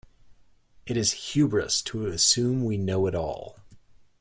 It is hubris to assume we know it all.